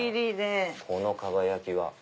この輝きは。